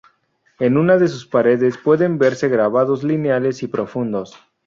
En una de sus paredes pueden verse grabados lineales y profundos.